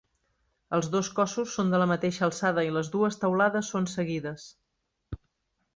Els dos cossos són de la mateixa alçada i les dues teulades són seguides.